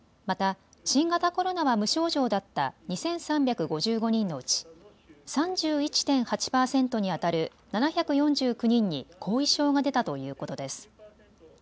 また新型コロナは無症状だった２３５５人のうち３１．８％にあたる７４９人に後遺症が出たということです。